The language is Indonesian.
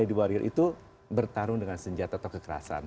berarti bahwa lady warrior itu bertarung dengan senjata atau kekerasan